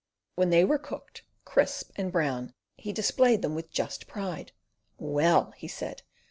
When they were cooked, crisp and brown, he displayed them with just pride. "Well!" he said.